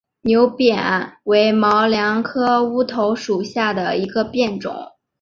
牛扁为毛茛科乌头属下的一个变种。